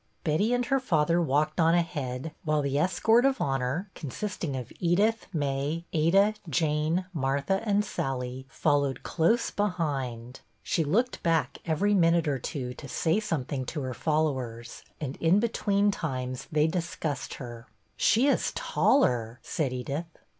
Betty and her father walked on ahead, while the escort of honor, consisting of Edith, May, Ada, Jane, Martha, and Sallie, followed close behind. She looked back every minute or two to say something to her followers, and in between times they discussed her. " She is taller," said Edith.